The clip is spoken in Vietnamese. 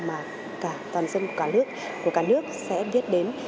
mà cả toàn dân của cả nước của cả nước sẽ biết đến